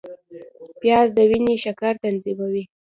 پیاز د وینې شکر تنظیموي